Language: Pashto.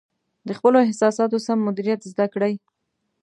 د خپلو احساساتو سم مدیریت زده کړئ.